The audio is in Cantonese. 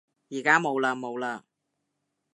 而家冇嘞冇嘞